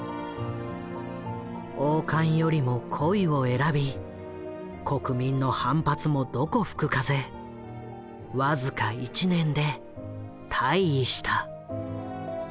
王冠よりも恋を選び国民の反発もどこ吹く風僅か１年で退位した。